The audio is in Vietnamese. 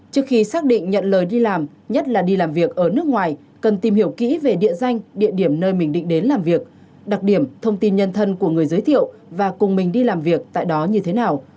trước khi xác định nhận lời đi làm nhất là đi làm việc ở nước ngoài cần tìm hiểu kỹ về địa danh địa điểm nơi mình định đến làm việc đặc điểm thông tin nhân thân của người giới thiệu và cùng mình đi làm việc tại đó như thế nào